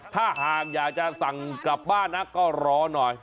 ถ้าหากอยากจะสั่งกลับบ้านนะก็รอหน่อย